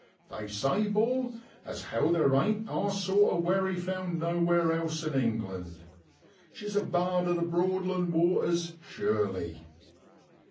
They say, 'bor, as how there ain't our sort of wherry found nowhere else in England. She's a bard of the broadland waters, sure ly